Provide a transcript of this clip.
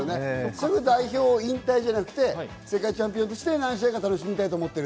すぐ代表引退じゃなくて、世界チャンピオンとして何試合か楽しみたいと思っている。